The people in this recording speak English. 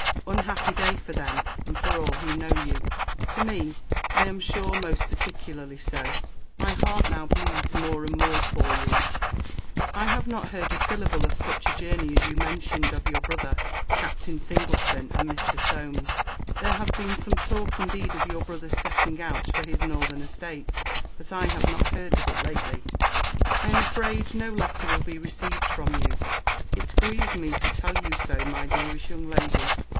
—Unhappy day for them, and for all who know you!—To me, I am sure, most particularly so!—My heart now bleeds more and more for you. I have not heard a syllable of such a journey as you mentioned of your brother, Captain Singleton, and Mr. Solmes. There has been some talk indeed of your brother's setting out for his northern estates: but I have not heard of it lately. I am afraid no letter will be received from you. It grieves me to tell you so, my dearest young lady.